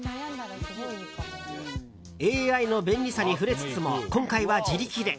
ＡＩの便利さに触れつつも今回は自力で。